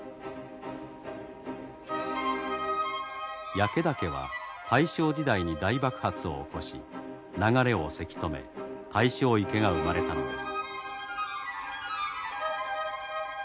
焼岳は大正時代に大爆発を起こし流れをせき止め大正池が生まれたのです。